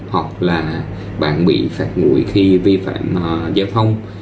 hoặc là bạn bị phạt nguội khi vi phạm giao thông